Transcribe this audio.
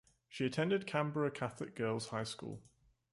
She attended Canberra Catholic Girls' High School.